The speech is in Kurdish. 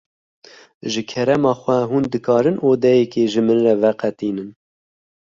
Ji kerema xwe hûn dikarin odeyekê ji min re veqetînin?